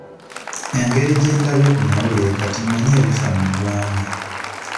Engeri gye ndabye ku mawulire kati mmanyi ebifa mu ggwanga.